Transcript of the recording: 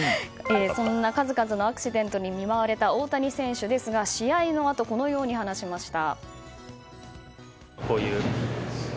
そんな数々のアクシデントに見舞われた大谷選手ですが試合のあと、こう話しました。